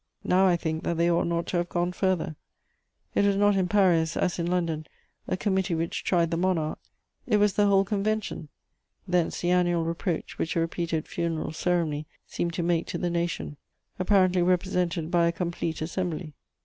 Now I think that they ought not to have gone further. It was not in Paris, as in London, a committee which tried the monarch: it was the whole Convention; thence the annual reproach which a repeated funeral ceremony seemed to make to the nation, apparently represented by a complete assembly.